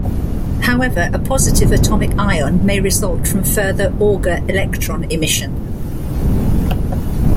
However, a positive atomic ion may result from further Auger electron emission.